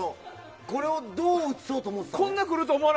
これをどう映そうと思ってたの？